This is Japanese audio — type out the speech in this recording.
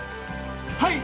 はい！